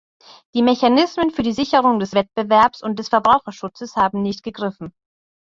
Die Mechanismen für die Sicherung des Wettbewerbs und des Verbraucherschutzes haben nicht gegriffen.